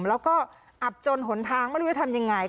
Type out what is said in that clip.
แล้วก็อับจนหนทางไม่รู้จะทำยังไง